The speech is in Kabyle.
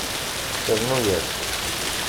Rnu-yas.